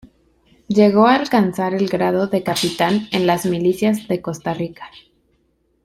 Llegó a alcanzar el grado de capitán en las milicias de Costa Rica.